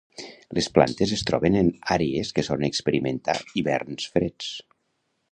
Les plantes es troben en àrees que solen experimentar hiverns freds.